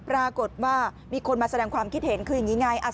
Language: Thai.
ปรากฏว่ามีคนมาแสดงความคิดเห็นคืออย่างนี้ไง